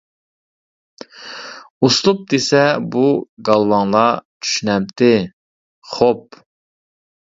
ئۇسلۇب دېسە بۇ گالۋاڭلار چۈشىنەمتى، خوپ!